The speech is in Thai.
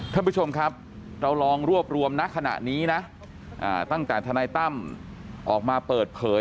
ท่านผู้ชมครับเราลองรวบรวมณขณะนี้นะตั้งแต่ทนายตั้มออกมาเปิดเผย